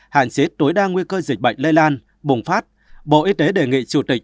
hạn chế tối đa nguy cơ dịch bệnh lây lan bùng phát bộ y tế đề nghị chủ tịch